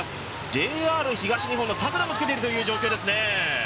ＪＲ東日本の作田もつけているという内容ですね。